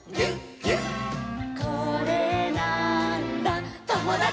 「これなーんだ『ともだち！』」